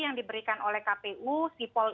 yang diberikan oleh kpu sipol